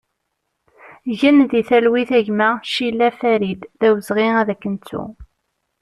Gen di talwit a gma Cilla Farid, d awezɣi ad k-nettu!